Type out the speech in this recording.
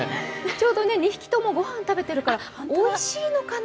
ちょうど２匹ともごはん食べてるからおいしいのかな？